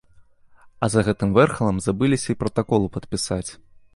А за гэтым вэрхалам забыліся й пратаколу падпісаць.